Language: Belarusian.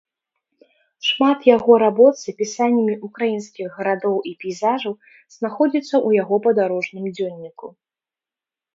Шмат яго работ з апісаннямі ўкраінскіх гарадоў і пейзажаў знаходзяцца ў яго падарожным дзённіку.